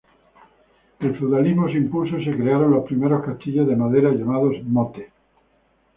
El feudalismo se impuso y se crearon los primeros castillos de madera, llamados ""motte"".